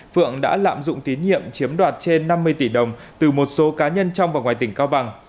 phượng đã lạm dụng tín nhiệm chiếm đoạt trên năm mươi tỷ đồng từ một số cá nhân trong và ngoài tỉnh cao bằng